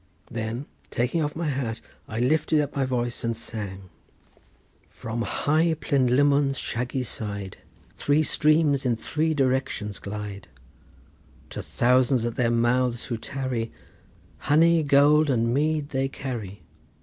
Then taking off my hat I lifted up my voice and sang:— "From high Plynlimmon's shaggy side Three streams in three directions glide, To thousands at their mouth who tarry Honey, gold and mead they carry.